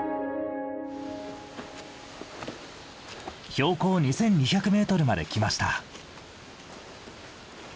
標高２，２００ｍまで来ました。